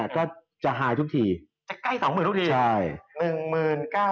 ขายอีกแล้ว